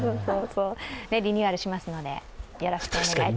リニューアルしますのでよろしくお願いいたします。